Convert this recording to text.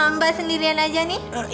mbak sendirian aja nih